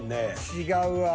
違うわ。